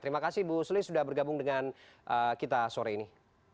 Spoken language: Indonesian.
terima kasih bu sli sudah bergabung dengan kita sore ini